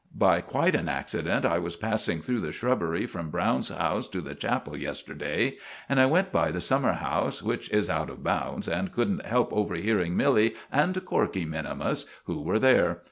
By quite an accident I was passing through the shrubbery from Browne's house to the chapel yesterday, and I went by the summer house, which is out of bounds, and couldn't help overhearing Milly and Corkey minimus, who were there.